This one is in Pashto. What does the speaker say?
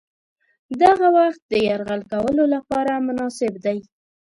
دغه وخت د یرغل کولو لپاره مناسب دی.